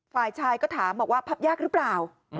ฝ่ายชายก็ถามบอกว่าพับยากหรือเปล่า